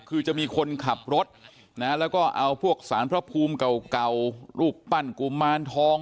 คือจะมีคนขับรถนะแล้วก็เอาพวกสารพระภูมิเก่ารูปปั้นกุมารทอง